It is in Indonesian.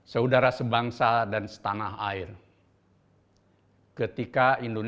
saudara sebangsa dan setanah allah